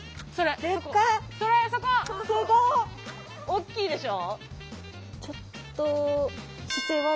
おっきいでしょ？